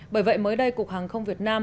bởi vậy mới đây cục hàng không việt nam